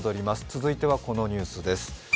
続いてはこのニュースです。